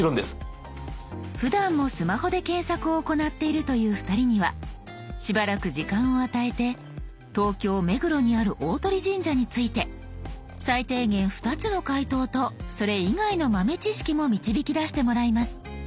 ふだんもスマホで検索を行っているという２人にはしばらく時間を与えて東京目黒にある大鳥神社について最低限２つの回答とそれ以外の豆知識も導き出してもらいます。